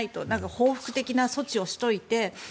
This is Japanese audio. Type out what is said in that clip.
報復的な措置をしていて。